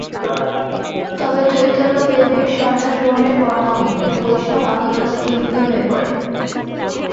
তবে চৈতন্যদেবের সন্ন্যাস গ্রহণের পর নবদ্বীপের বৈষ্ণব আন্দোলন স্তিমিত হয়ে পড়ে।